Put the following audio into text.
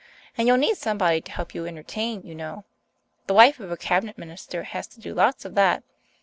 And you'll need somebody to help you entertain, you know. The wife of a cabinet minister has to do lots of that.